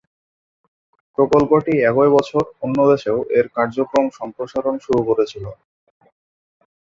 প্রকল্পটি একই বছর অন্য দেশেও এর কার্যক্রম সম্প্রসারণ শুরু করেছিল।